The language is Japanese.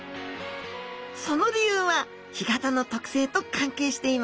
その理由は干潟の特性と関係しています。